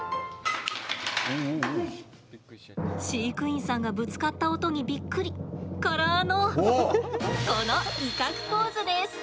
飼育員さんがぶつかった音にビックリ。からの、この威嚇ポーズです！